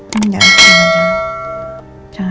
jangan jangan jangan